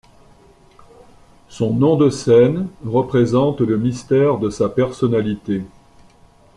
Son nom de scène représente le mystère de sa personnalité.